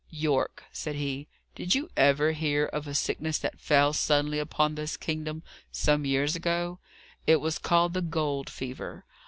"Yorke," said he, "did you ever hear of a sickness that fell suddenly upon this kingdom, some years ago? It was called the gold fever.